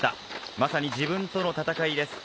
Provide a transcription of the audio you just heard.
まさに自分との戦いです。